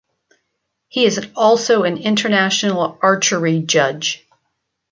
He is also an international archery judge.